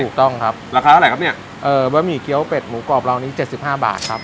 ถูกต้องครับราคาเท่าไหร่ครับเนี่ยเอ่อบะหมี่เกี้ยวเป็ดหมูกรอบเรานี้เจ็ดสิบห้าบาทครับ